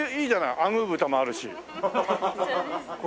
アグー豚もあるし。